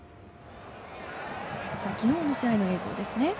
昨日の試合の映像ですね。